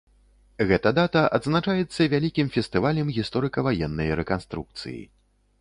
Гэта дата адзначаецца вялікім фестывалем гісторыка-ваеннай рэканструкцыі.